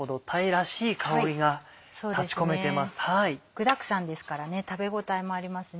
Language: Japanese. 具だくさんですからね食べ応えもありますね。